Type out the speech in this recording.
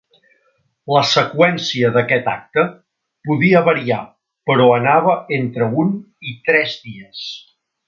La seqüència d'aquest acte podia variar però anava entre un i tres dies.